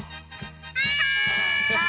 はい！